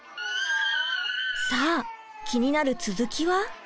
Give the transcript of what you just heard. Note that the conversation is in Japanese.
さあ気になる続きは？